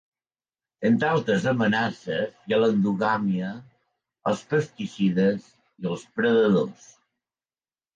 Entre altres amenaces hi ha l'endogàmia, els pesticides i els predadors.